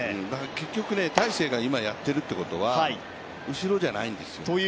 結局大勢が今やっているということは後ろじゃないんですよ。